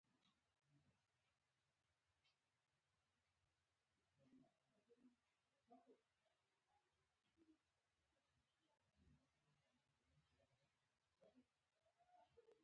ظاهري کشمکش ته توجه کموالی عیب نه دی.